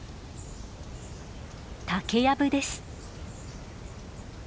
竹やぶです。